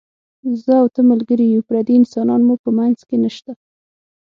زه او ته ملګري یو، پردي انسانان مو په منځ کې نشته.